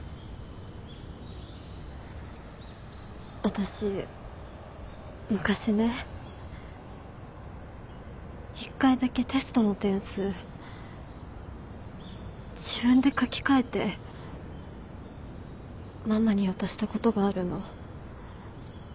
私昔ね１回だけテストの点数自分で書き換えてママに渡したことがあるの。